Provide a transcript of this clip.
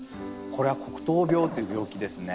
これは黒とう病っていう病気ですね。